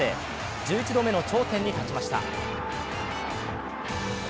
１１度目の頂点に立ちました。